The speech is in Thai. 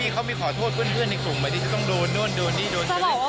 เขามีขอโทษเพื่อนในกลุ่มไหมที่จะต้องโดนนู่นโดนนี่โดนสนิท